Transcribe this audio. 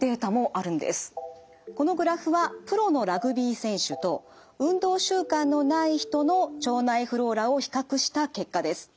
このグラフはプロのラグビー選手と運動習慣のない人の腸内フローラを比較した結果です。